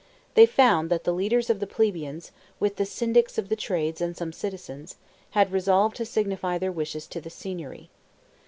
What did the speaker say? They found that the leaders of the plebeians, with the Syndics of the trades and some citizens, had resolved to signify their wishes to the Signory.